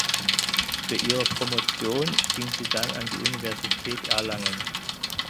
Für ihre Promotion ging sie dann an die Universität Erlangen.